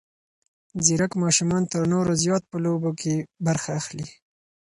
ځیرک ماشومان تر نورو زیات په لوبو کې برخه اخلي.